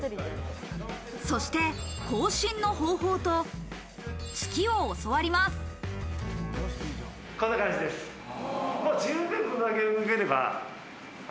そして後進の方法と突きを教わります。